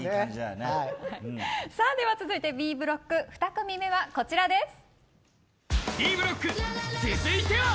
続いてＢブロック２組目はこちらです。